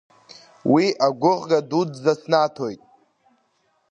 Уи агәыӷра дуӡӡа снаҭоит.